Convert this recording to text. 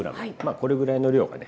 これぐらいの量がね